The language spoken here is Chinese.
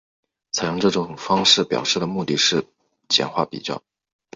采用这种方式表示的目的是简化比较。